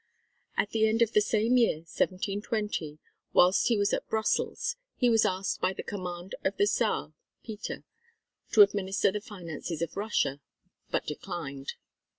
At the end of the same year, 1720, whilst he was at Brussels he was asked by the command of the Czar (Peter), to administer the finances of Russia, but declined.